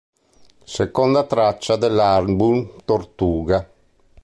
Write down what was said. Seconda traccia dell'album "Tortuga".